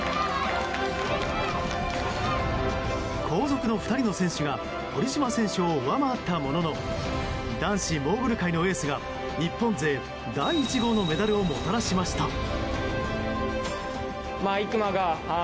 後続の２人の選手が堀島選手を上回ったものの男子モーグル界のエースが日本勢第１号のメダルをもたらしました。